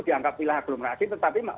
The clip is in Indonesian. dianggap wilayah aglomerasi tetapi